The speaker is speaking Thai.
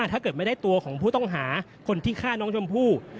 ถ้าเกิดไม่ได้ตัวของผู้ต้องหาคนที่ฆ่าน้องชมพู่